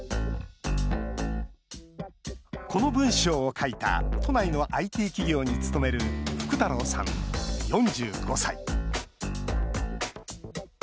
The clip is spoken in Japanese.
この文章を書いた都内のＩＴ企業に勤める福太郎さん、４５歳。